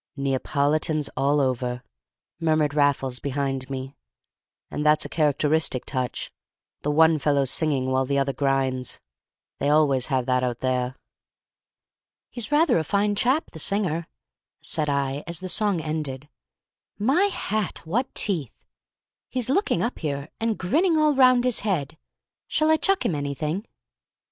"Neapolitans all over," murmured Raffles behind me; "and that's a characteristic touch, the one fellow singing while the other grinds; they always have that out there." "He's rather a fine chap, the singer," said I, as the song ended. "My hat, what teeth! He's looking up here, and grinning all round his head; shall I chuck him anything?"